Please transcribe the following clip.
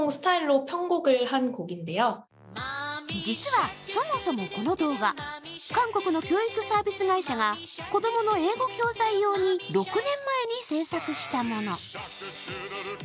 実はそもそもこの動画、韓国の教育サービス会社が子供の英語教材用に６年前に制作したもの。